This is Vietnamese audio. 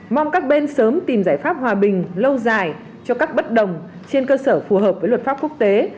mong các bên sớm tìm giải pháp hòa bình lâu dài cho các bất đồng trên cơ sở phù hợp với luật pháp quốc tế